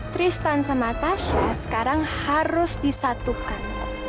tristan sama tasha sekarang harus disatukan